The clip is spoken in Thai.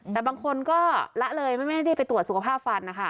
แต่บางคนก็ละเลยไม่ได้ไปตรวจสุขภาพฟันนะคะ